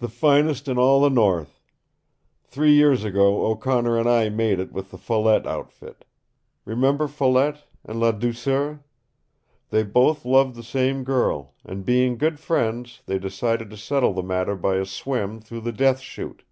"The finest in all the North. Three years ago O'Connor and I made it with the Follette outfit. Remember Follette and Ladouceur? They both loved the same girl, and being good friends they decided to settle the matter by a swim through the Death Chute.